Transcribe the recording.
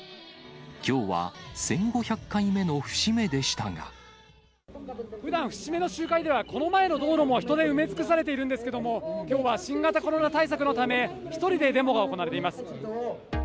きょうは、ふだん、節目の集会では、この前の道路も人で埋め尽くされているんですけれども、きょうは新型コロナ対策のため、１人でデモが行われています。